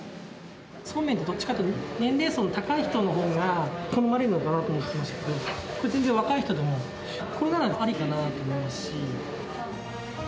そうめんってどっちかっていうと、年齢層の高い人のほうが好まれるのかなと思ってましたけど、これ全然、若い人でも、これならありかなと思いますし。